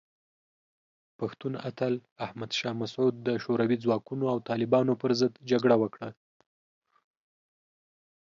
پښتون اتل احمد شاه مسعود د شوروي ځواکونو او طالبانو پر ضد جګړه وکړه.